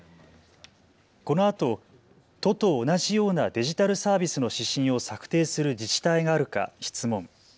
このあと都と同じようなデジタルサービスの指針を策定する自治体があるか質問。